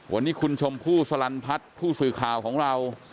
วันนี้คุณชมพู่สลันพัฒน์ผู้สื่อข่าวของเรา